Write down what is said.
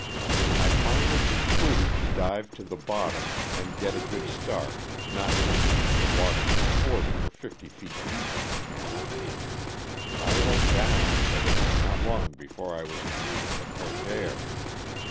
I finally concluded to dive to the bottom and get a good start not thinking that the water was forty or fifty feet deep in the channel. I went down but it was not long before I was in need of the fresh air.